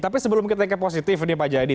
tapi sebelum kita ke positif nih pak jayadi